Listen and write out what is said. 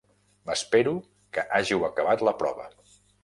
M'espero que hàgiu acabat la prova.